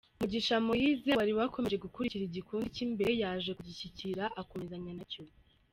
Mugisha Moise wari wakomeje gukurikira igikundi cy’imbere yaje kugishyikira akomezanya nacyo.